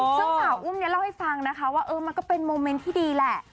ซึ่งสาวอุ้มเนี่ยเล่าให้ฟังนะคะว่ามันก็เป็นโมเมนต์ที่ดีแหละ